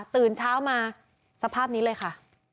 ตื่นเช้ามาสภาพนี้เลยค่ะ